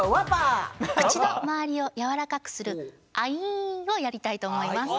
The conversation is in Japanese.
口の周りをやわらかくするアイーンをやりたいと思います。